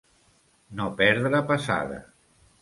No perdre passada.